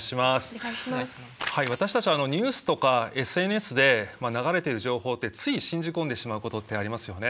私たちはニュースとかＳＮＳで流れてる情報ってつい信じ込んでしまうことってありますよね。